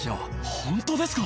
本当ですか。